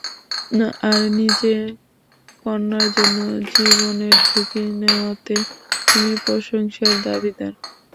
আর নিজের কন্যার জন্য জীবনের ঝুঁকি নেয়াতে তুমি প্রশংসার দাবিদার।